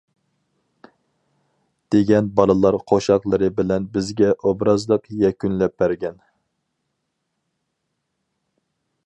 دېگەن بالىلار قوشاقلىرى بىلەن بىزگە ئوبرازلىق يەكۈنلەپ بەرگەن.